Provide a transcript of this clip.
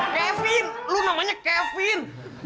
kevin lo namanya kevin